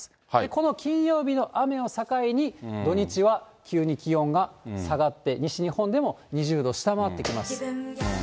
この金曜日の雨を境に、土日は急に気温が気温が下がって、西日本でも２０度下回ってきます。